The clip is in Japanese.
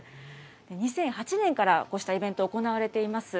２００８年から、こうしたイベント、行われています。